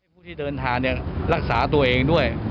ผู้ที่เดินทางรักษาตัวเองด้วย